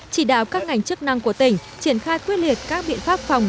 chỉ đạo các ngành chức năng của tỉnh triển khai quyết liệt các biện pháp phòng